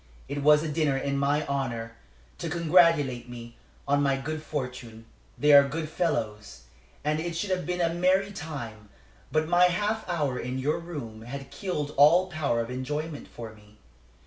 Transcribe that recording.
It was a dinner in my honor, to congratulate me on my good fortune. They are good fellows, and it should have been a merry time. But my half hour in your room had killed all power of enjoyment for me.